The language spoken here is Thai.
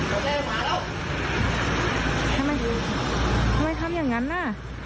เอาแม่ผ่าแล้วทำไมทำอย่างงั้นอ่ะ